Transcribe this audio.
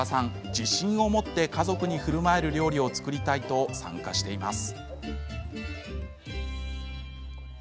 自信を持って家族にふるまえる料理を作りたいと参加しています。